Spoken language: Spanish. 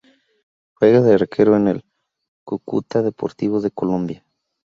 Juega de arquero en el Cúcuta Deportivo de Colombia.